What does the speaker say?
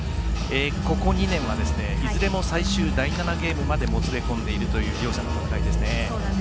ここ２年はいずれも最終第７ゲームまでもつれ込んでいるという両者の戦いですね。